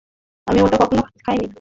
আমি ওটা কখনো খাইনি।